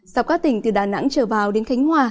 dọc các tỉnh từ đà nẵng trở vào đến khánh hòa